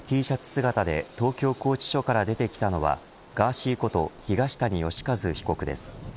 姿で東京拘置所から出てきたのはガーシーこと東谷義和被告です。